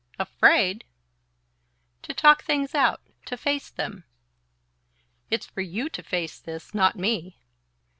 "Afraid?" "To talk things out to face them." "It's for YOU to face this not me!"